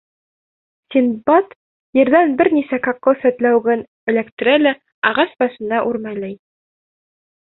Синдбад ерҙән бер нисә кокос сәтләүеген эләктерә лә ағас башына үрмәләй.